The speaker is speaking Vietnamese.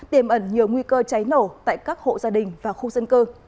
tiềm ẩn nhiều nguy cơ cháy nổ tại các hộ gia đình và khu dân cư